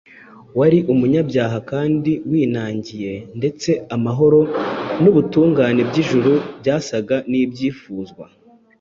wari umunyabyaha kandi winangiye ndetse amahoro n’ubutungane by’ijuru byasaga n’ibyifuzwa.